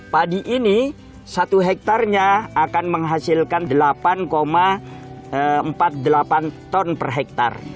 padi ini satu hektarnya akan menghasilkan delapan empat puluh delapan ton per hektare